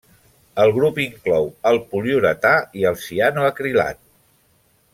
El grup inclou el poliuretà i el cianoacrilat.